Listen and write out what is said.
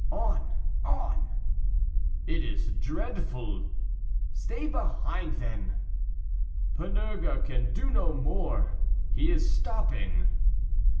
"On! on!" "It is dreadful!" "Stay behind then!" "Panurge can do no more; he is stopping."